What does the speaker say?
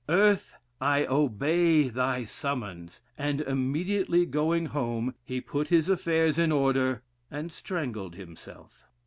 Earth, I obey thy summons!" and immediately going home, he put his affairs in order, and strangled himself.